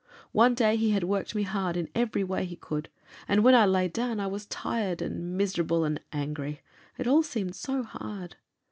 One day he had worked me hard in every way he could, and when I lay down I was tired, and miserable, and angry; it all seemed so hard.